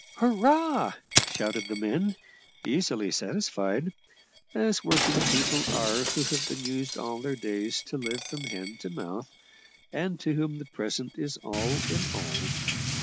"Hurrah!" shouted the men, easily satisfied; as working people are, who have been used all their days to live from hand to mouth, and to whom the present is all in all.